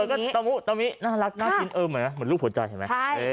แล้วก็ตะมุตะมิน่ารักน่ากินเออเหมือนรูปหัวใจเห็นไหม